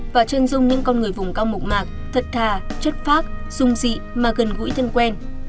và chân dung những con người vùng cao mộc mạc thật thà chất phác dung dị mà gần gũi thân quen